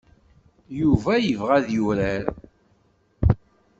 Yuba ibɣa ad yurar.